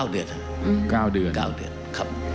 ๙เดือนครับ